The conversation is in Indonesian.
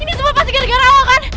ini semua pasti gara gara oh kan